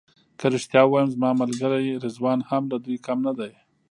که رښتیا ووایم زما ملګری رضوان هم له دوی کم نه دی.